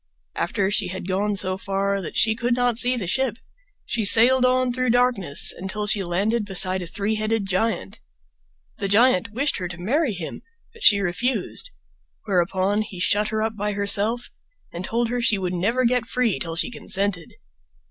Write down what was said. After she had gone so far that she could not see the ship, she sailed on through darkness until she landed beside a three headed giant. The giant wished her to marry him, but she refused; whereupon he shut her up by herself and told her she would never get free until she consented.